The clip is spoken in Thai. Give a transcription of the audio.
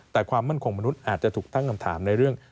แต่ความมั่นคงมนุษย์อาจจะถูกตั้งคำถามในเรื่อง